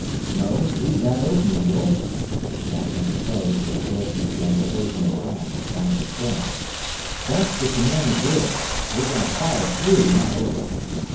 "No; leave that opening, Wilse," Jack interposed as Wilson began closing a gap at one of the corners. "That's to command the bridge. We're going to fire through, not over."